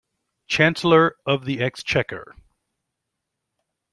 Chancellor of the Exchequer